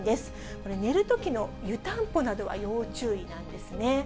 これ、寝るときの湯たんぽなどは要注意なんですね。